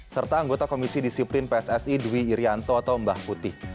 serta anggota komisi disiplin pssi dwi irianto atau mbah putih